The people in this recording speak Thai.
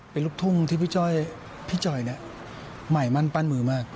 เป็นลูกทุ่งที่พี่จ่อยพี่จ่อยเนี้ยใหม่มั่นปั้นมือมาก